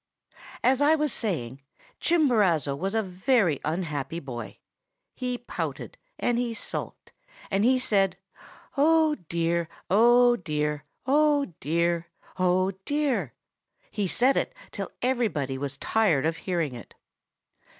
"As I was saying, Chimborazo was a very unhappy boy. He pouted, and he sulked, and he said, 'Oh, dear! oh, dear! oh, dear! oh, dear!' He said it till everybody was tired of hearing it.